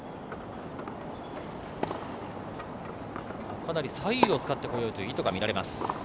かなり左右を使ってこようという意図が見られます。